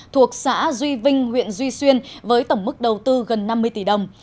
thuộc xã duy vinh huyện duy xuyên với tổng mức đầu tư gần năm mươi tỷ đồng